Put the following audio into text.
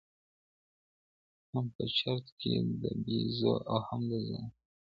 هم په چرت كي د بيزو او هم د ځان وو